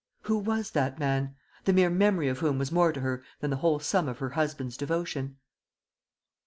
Who was that man, the mere memory of whom was more to her than the whole sum of her husband's devotion?